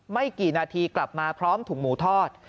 ไม่กี่นาทีกลับมาพร้อมถุงหมูทอด